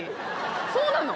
そうなの？